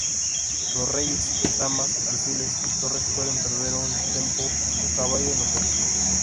Los reyes, damas, alfiles y torres pueden perder un tempo; un caballo no puede.